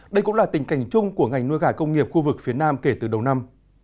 đây cũng là tình cảnh chung của ngành nuôi gà công nghiệp khu vực phía nam kể từ đầu năm